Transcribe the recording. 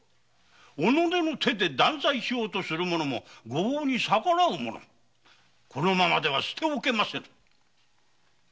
己の手で断罪しようとする者も御法に逆らう者もこのままには捨ておけませぬ！